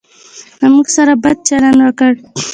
له موږ سره بد چلند وکړ.